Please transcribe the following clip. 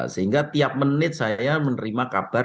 sehingga tiap menit saya menerima kabar